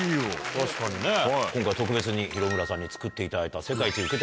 確かにね。今回特別に廣村さんに作っていただいた。